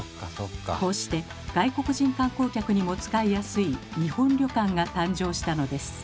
こうして外国人観光客にも使いやすい日本旅館が誕生したのです。